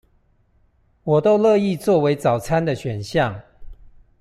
我都樂意作為早餐的選項